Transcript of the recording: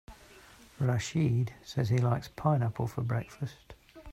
Rachid said he likes pineapple for breakfast.